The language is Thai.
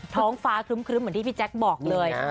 ท้องฟ้าครึ้มเหมือนที่พี่แจ๊คบอกเลย